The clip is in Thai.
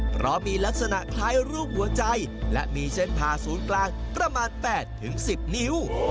เพราะมีลักษณะคล้ายรูปหัวใจและมีเส้นผ่าศูนย์กลางประมาณ๘๑๐นิ้ว